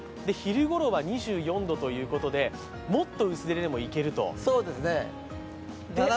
昼ごろは２４度ということで、もっと薄手でもいけると。